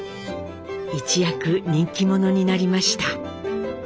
一躍人気者になりました。